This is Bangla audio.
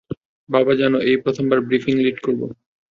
বাবা, জানো, এই প্রথমবার ব্রিফিং লিড করব।